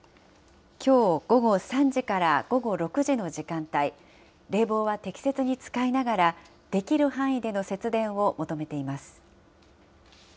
きょう午後３時から午後６時の時間帯、冷房は適切に使いながら、できる範囲での節電を求めています。